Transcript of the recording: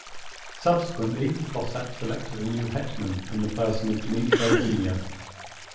Subsequently the Cossacks elected a new Hetman in the person of Dmytro Hunia.